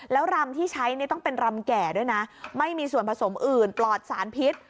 แล้วรำที่ใช้ต้องเป็นรำแก่ด้วยนะไม่มีส่วนผสมอื่นปลอดสารพิษ